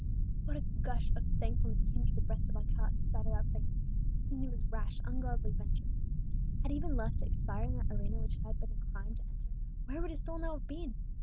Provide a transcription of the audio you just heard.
What a gush of thankfulness came into the breast of Alcala at the sight of that place, the scene of his rash, ungodly venture! Had he been left to expire in that arena which it had been a crime to enter, where would his soul now have been!